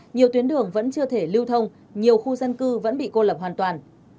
nhiều tuyến đường vẫn chưa thể lưu thông nhiều khu dân cư vẫn bị cô lập hoàn toàn